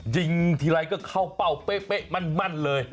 ยิงทีไรก็เข้าเป้าเป๊ะมั่นเลย